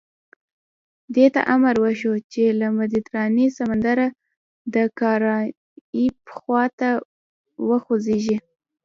دې ته امر وشو چې له مدیترانې سمندره د کارائیب خوا ته وخوځېږي.